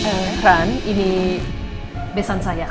kedua ran ini besan saya